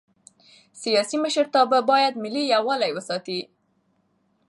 سیاسي مشرتابه باید ملي یووالی وساتي